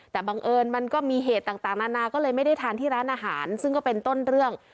แต่บังเอิญมันก็มีเหตุต่างนานาก็เลยไม่ได้ทานที่ร้านอาหารซึ่งก็เป็นต้นเรื่อง